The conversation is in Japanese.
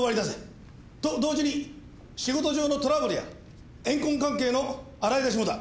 と同時に仕事上のトラブルや怨恨関係の洗い出しもだ。